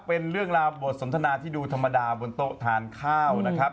เป็นเรื่องราวบทสนทนาที่ดูธรรมดาบนโต๊ะทานข้าวนะครับ